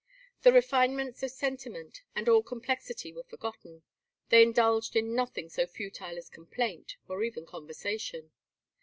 The refinements of sentiment and all complexity were forgotten; they indulged in nothing so futile as complaint, nor even conversation.